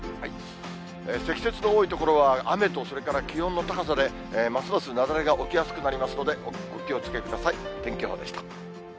積雪の多い所は、雨と、それから気温の高さで、ますます雪崩が起きやすくなりますので、お気をつけください。